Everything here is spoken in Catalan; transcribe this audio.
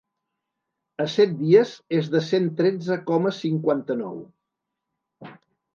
A set dies és de cent tretze coma cinquanta-nou.